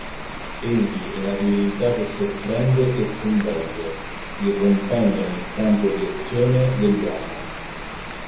Egli è la divinità che sorprende e sconvolge, irrompendo nel campo di azione dell'uomo.